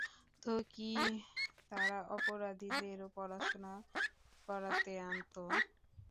তো কি, তারা অপরাধীদেরও পড়াশোনা করাতে আনতো?